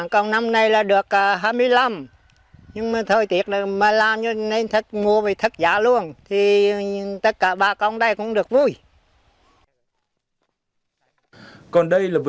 còn năm nay là được hai mươi năm nhưng mà thời tiết là mưa trái mùa thì thất giá luôn thì tất cả bà con đây cũng được vui